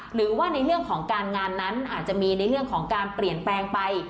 หรือว่าในเรื่องของการงานนั้นอาจจะมีในเรื่องของการเปลี่ยนแปลงไป